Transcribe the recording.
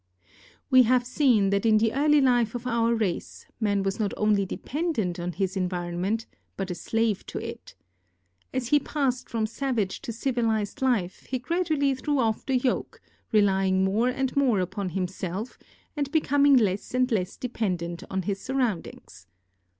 We have seen that in the early life of our race man was not only dependent on his environment, but a slave to it. As he passed from savage to civilized life, he gradually threw off the yoke, relying more and more upon himself and becoming less and less dependent on his surroundings.